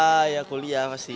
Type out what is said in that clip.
ah ya kuliah pasti